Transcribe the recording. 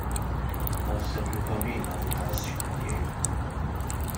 Naħseb li ta' min nagħtu każ x'qed jgħid.